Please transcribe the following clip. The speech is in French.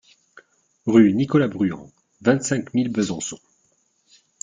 Rue Nicolas Bruand, vingt-cinq mille Besançon